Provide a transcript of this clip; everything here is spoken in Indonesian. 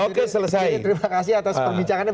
itu selesai terima kasih atas perbincangannya